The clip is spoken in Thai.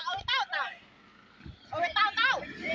ขอดับความเย็บเองค่ะพี่